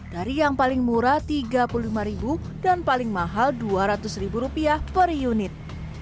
dari yang paling murah rp tiga puluh lima dan paling mahal rp dua ratus per unit